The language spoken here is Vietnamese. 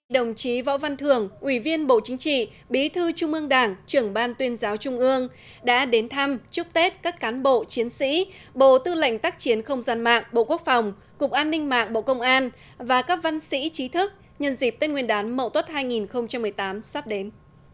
đồng chí võ văn thường ủy viên bộ chính trị bí thư trung ương đảng trưởng ban tuyên giáo trung ương đã đến thăm chúc tết các cán bộ chiến sĩ bộ tư lệnh tác chiến không gian mạng bộ quốc phòng cục an ninh mạng bộ công an và các văn sĩ trí thức nhân dịp tết nguyên đán mậu tuất hai nghìn một mươi tám sắp đến